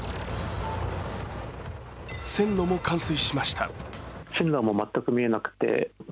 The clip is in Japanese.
線路も冠水しました。